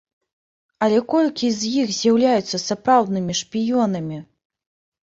Але колькі з іх з'яўляюцца сапраўднымі шпіёнамі?